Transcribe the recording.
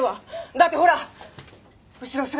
だってほら後ろ姿